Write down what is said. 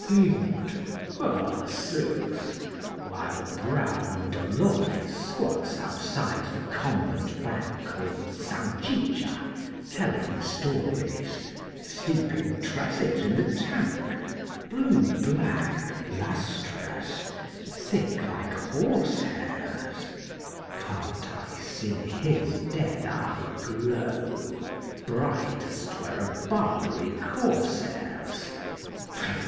IV. Saint, forsooth! While brown Dolores Squats outside the Convent bank With Sanchicha, telling stories, Steeping tresses in the tank, Blue black, lustrous, thick like horsehairs, Can't I see his dead eye glow, Bright as 'twere a Barbary corsair's?